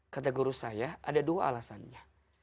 kata guru saya ada dua alasannya